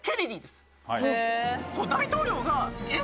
大統領が。